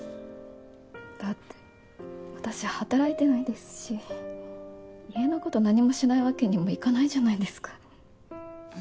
だって私働いてないですし家のこと何もしないわけにもいかないじゃないですか。